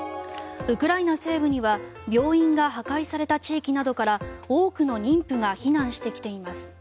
ウクライナ西部には病院が破壊された地域などから多くの妊婦が避難してきています。